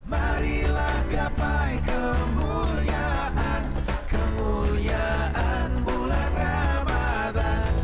marilah gapai kemuliaan kemuliaan bulan ramadhan